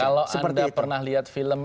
kalau anda pernah lihat film